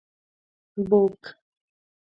book